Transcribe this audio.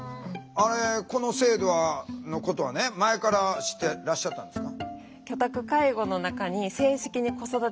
あれこの制度のことはね前から知ってらっしゃったんですか？